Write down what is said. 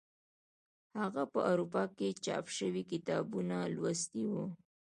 هغه په اروپا کې چاپ شوي کتابونه لوستي وو.